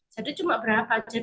jadi cuma berapa